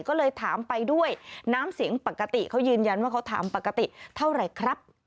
ก็เลยถามไปด้วยน้ำเสียงปกติเขายืนยันว่าเขาถามปกติเท่าไหร่ครับ